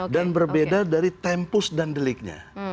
berbeda dari tempus dan deliknya